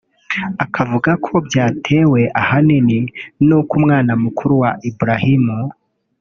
akavuga ko byatewe ahanini n’uko umwana mukuru wa Ibrahim